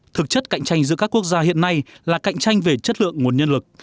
thực chất cạnh tranh giữa các quốc gia hiện nay là cạnh tranh về chất lượng nguồn nhân lực